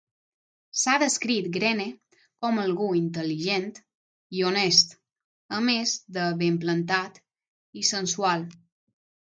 S'ha descrit Greene com algú intel·ligent i honest, a més de ben plantat i sensual.